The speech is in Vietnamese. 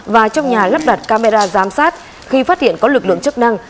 và trong nhà lắp đặt camera giám sát khi phát hiện có lực lượng chức năng